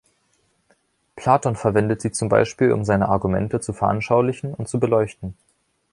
Platon verwendet sie zum Beispiel, um seine Argumente zu veranschaulichen und zu beleuchten.